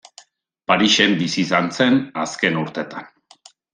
Parisen bizi izan zen azken urteetan.